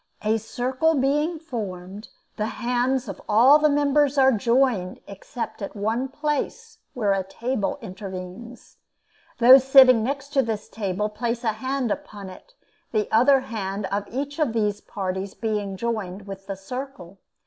A circle being formed, the hands of all the members are joined except at one place where a table intervenes. Those sitting next to this table place a hand upon it, the other hand of each of these parties being joined with the circle.